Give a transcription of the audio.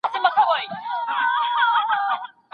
ګڼو خلګو اوږد ډنډ ړنګ کړ.